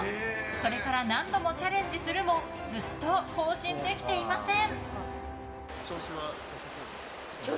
それから何度もチャレンジするもずっと更新できていません。